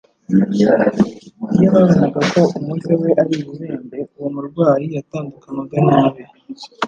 Iyo babonaga ko umuze we ari ibibembe, uwo murwayi yatandukanywaga n'abe,